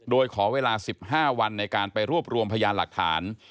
โดยขอเวลา๑๕วันในการไปรวบรวมพยานหลักฐาน